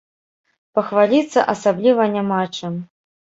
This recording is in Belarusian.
Пахваліцца асабліва няма чым.